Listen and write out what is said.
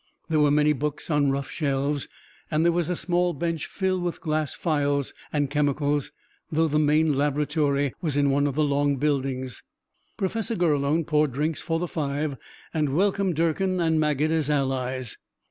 There were many books on rough shelves, and there was a small bench filled with glass phials and chemicals, though the main laboratory was in one of the long buildings. Professor Gurlone poured drinks for the five, and welcomed Durkin and Maget as allies.